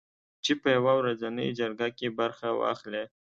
چې په یوه ورځنۍ جرګه کې برخه واخلي